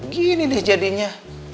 gini deh jadinya